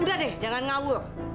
udah deh jangan ngawur